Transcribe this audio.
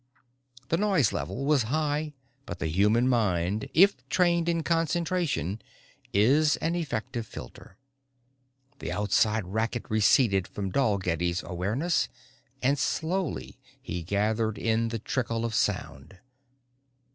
The noise level was high but the human mind, if trained in concentration, is an efficient filter. The outside racket receded from Dalgetty's awareness and slowly he gathered in the trickle of sound.